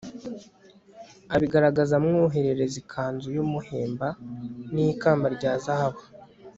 abigaragaza amwoherereza ikanzu y'umuhemba n'ikamba rya zahabu